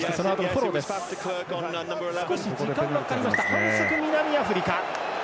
反則、南アフリカ。